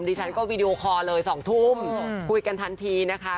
ดิฉันก็วีดีโอคอร์เลย๒ทุ่มคุยกันทันทีนะคะ